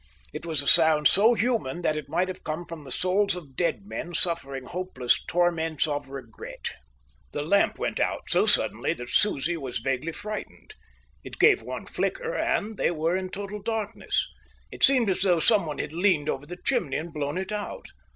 It was a sound so human that it might have come from the souls of dead men suffering hopeless torments of regret. The lamp went out, so suddenly that Susie was vaguely frightened. It gave one flicker, and they were in total darkness. It seemed as though someone had leaned over the chimney and blown it out.